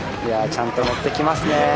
いやちゃんと乗ってきますね。